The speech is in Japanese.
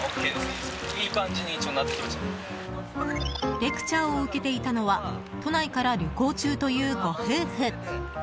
レクチャーを受けていたのは都内から旅行中というご夫婦。